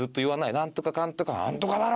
「なんとかかんとかなんとかだろ！」